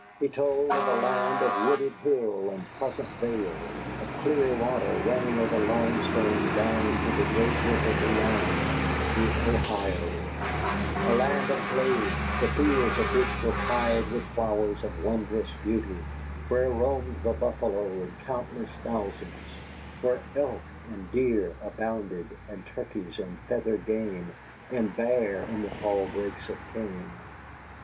He told of a land of wooded hill and pleasant vale, of clear water running over limestone down to the great river beyond, the Ohio a land of glades, the fields of which were pied with flowers of wondrous beauty, where roamed the buffalo in countless thousands, where elk and deer abounded, and turkeys and feathered game, and bear in the tall brakes of cane.